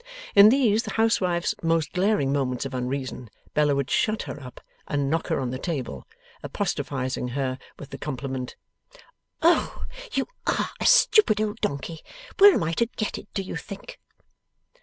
In these, the Housewife's most glaring moments of unreason, Bella would shut her up and knock her on the table, apostrophising her with the compliment, 'O you ARE a stupid old Donkey! Where am I to get it, do you think?